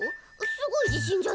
すごい自信じゃない？